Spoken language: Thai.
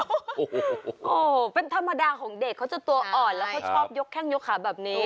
โอ้โหเป็นธรรมดาของเด็กเขาจะตัวอ่อนแล้วเขาชอบยกแข้งยกขาแบบนี้